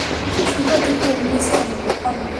শুভ দুপুর, Mrs thorn.